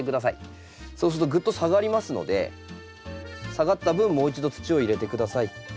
そうするとぐっと下がりますので下がった分もう一度土を入れて下さい。